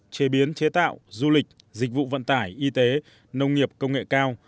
chế biến chế tạo du lịch dịch vụ vận tải y tế nông nghiệp công nghệ cao